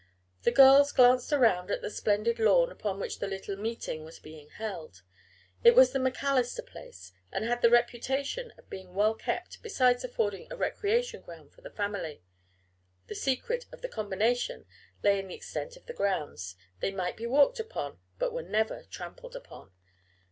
The girls glanced around at the splendid lawn upon which the little meeting was being held. It was the MacAllister place, and had the reputation of being well kept besides affording a recreation ground for the family the secret of the combination lay in the extent of the grounds: they might be walked upon, but were never trampled upon.